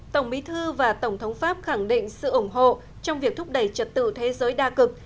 tổng bí thư và tổng thống pháp khẳng định sự ủng hộ trong việc thúc đẩy trật tự thế giới đa cực